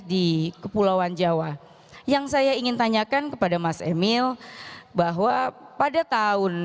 di kepulauan jawa yang saya ingin tanyakan kepada mas emil bahwa ceputu pada tahun dua ribu enam belas